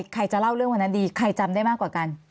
ใครจะเล่าเรื่องวันนั้นดีใครจำได้มากกว่ากัน